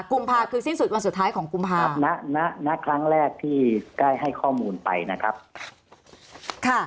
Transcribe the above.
กุมภาพคือสิ้นสุดวันสุดท้ายของกุมภาพณครั้งแรกที่ได้ให้ข้อมูลไปนะครับค่ะ